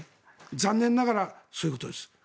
残念ながらそういうことです。